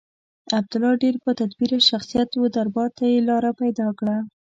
عبدالله ډېر با تدبیره شخصیت و دربار ته یې لاره پیدا کړه.